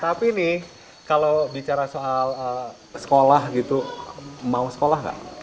tapi nih kalau bicara soal sekolah gitu mau sekolah nggak